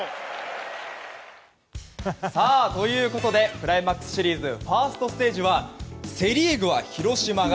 クライマックスシリーズファーストステージはセ・リーグは、広島が。